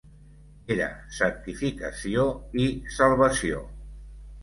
Era santificació i salvació.